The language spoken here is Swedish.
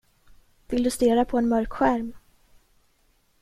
Vill du stirra på en mörk skärm?